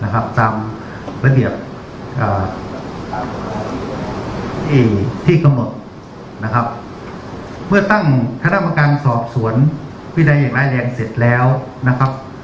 ตามระเบียบที่กำหนดนะครับเมื่อตั้งคณะกรรมการสอบสวนวินัยอย่างร้ายแรงเสร็จแล้วนะครับ